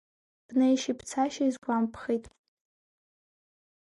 Бнеишьеи бцашьеи сгәамԥхеит.